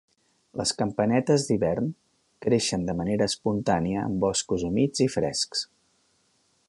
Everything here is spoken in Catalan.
Les campanetes d'hivern creixen de manera espontània en boscos humits i frescs.